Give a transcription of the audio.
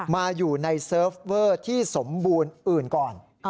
มาอยู่ในเซิร์ฟเวอร์ที่สมบูรณ์อื่นก่อน